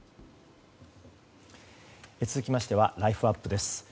続きましてはライフあっぷです。